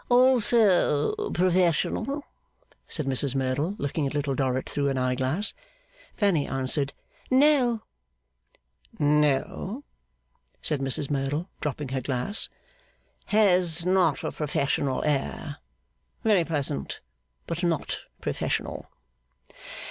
'Also professional?' said Mrs Merdle, looking at Little Dorrit through an eye glass. Fanny answered No. 'No,' said Mrs Merdle, dropping her glass. 'Has not a professional air. Very pleasant; but not professional.